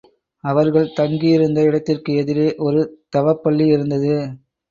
அவர்கள் தங்கியிருந்த இடத்திற்கு எதிரே ஒரு தவப்பள்ளி இருந்தது.